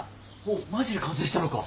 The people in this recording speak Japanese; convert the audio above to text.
おっマジで完成したのか？